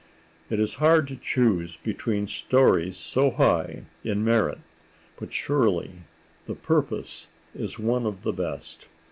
It is hard to choose between stories so high in merit, but surely "The Purpose" is one of the best.